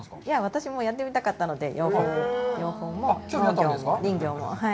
私もやってみたかったので養蜂も農業も、林業も。